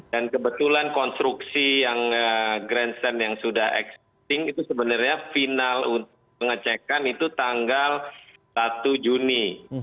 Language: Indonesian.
dan kebetulan konstruksi yang grandstand yang sudah existing itu sebenarnya final untuk pengecekan itu tanggal satu juni